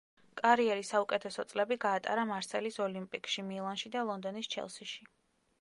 კარიერის საუკეთესო წლები გაატარა მარსელის „ოლიმპიკში“, „მილანში“ და ლონდონის „ჩელსიში“.